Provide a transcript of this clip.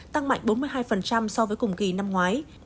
tăng mạnh bốn mươi hai so với cùng kỳ năm ngoái